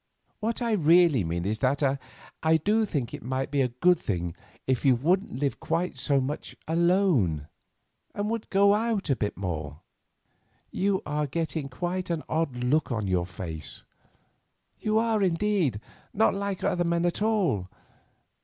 What I really mean is that I do think it might be a good thing if you wouldn't live quite so much alone, and would go out a bit more. You are getting quite an odd look on your face; you are indeed, not like other men at all.